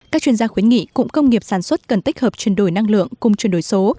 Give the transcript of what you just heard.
các chuyên gia khuyến nghị cụng công nghiệp sản xuất cần tích hợp chuyển đổi năng lượng cùng chuyển đổi số